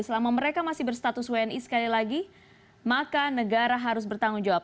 selama mereka masih berstatus wni sekali lagi maka negara harus bertanggung jawab